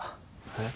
えっ？